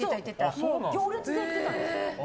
行列で行ってたんですよ。